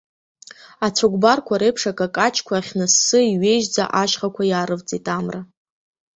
Ацәыкәбарқәа реиԥш акакаҷқәа ахьныссы, иҩежьӡа ашьхақәа иаарывҵит амра.